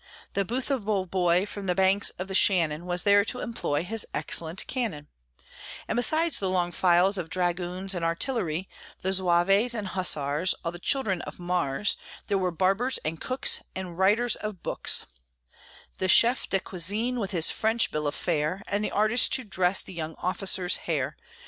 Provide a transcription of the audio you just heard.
The buthiful boy From the banks of the Shannon Was there to employ His excellent cannon; And besides the long files of dragoons and artillery, The Zouaves and Hussars, All the children of Mars There were barbers and cooks, And writers of books, The chef de cuisine with his French bill of fare, And the artists to dress the young officers' hair.